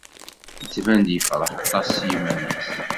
Yettban-d yefṛeḥ aṭas s yiman-is.